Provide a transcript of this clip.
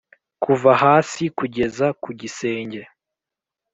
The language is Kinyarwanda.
kuva hasi kugeza ku gisenge,